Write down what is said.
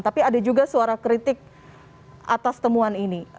tapi ada juga suara kritik atas temuan ini